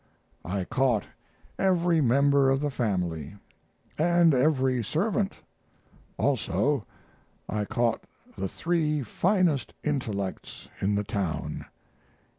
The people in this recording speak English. I caught every member of the family, & every servant; also I caught the three finest intellects in the town.